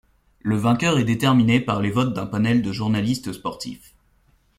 Le vainqueur est déterminé par les votes d'un panel de journalistes sportifs.